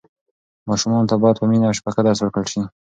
ماشومانو ته باید په مینه او شفقت درس ورکړل سي.